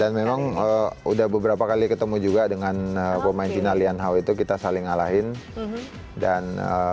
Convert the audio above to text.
dan memang sudah beberapa kali ketemu juga dengan pemain cina lian hao itu kita saling ngalahin